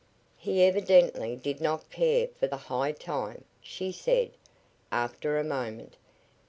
"He evidently did not care for the 'high time,'" she said, after a moment.